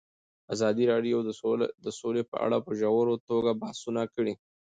ازادي راډیو د سوله په اړه په ژوره توګه بحثونه کړي.